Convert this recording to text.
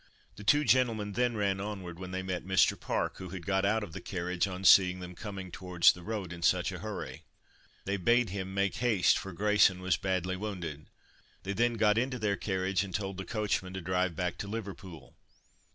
The two gentlemen then ran onward when they met Mr. Park, who had got out of the carriage on seeing them coming towards the road in such a hurry. They bade him "make haste, for Grayson was badly wounded." They then got into their carriage and told the coachman to drive back to Liverpool.